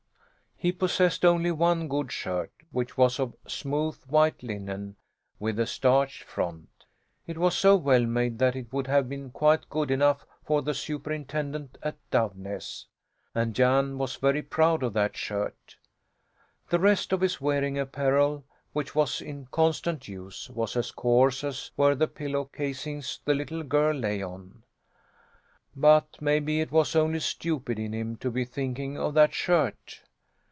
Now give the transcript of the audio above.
He possessed only one good shirt, which was of smooth white linen, with a starched front. It was so well made that it would have been quite good enough for the superintendent at Doveness. And Jan was very proud of that shirt. The rest of his wearing apparel, which was in constant use, was as coarse as were the pillow casings the little girl lay on. But maybe it was only stupid in him to be thinking of that shirt?